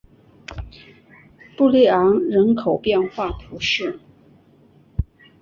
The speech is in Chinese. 布雷昂人口变化图示